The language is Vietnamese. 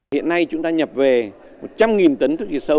hiện nay chúng ta nhập về một trăm linh tấn